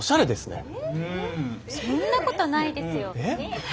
そんなことないですよ。ね？